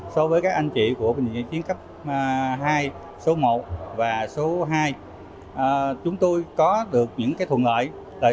so với các anh chị của bệnh viện giã chiến cấp hai số một và số hai chúng tôi có được những thuận lợi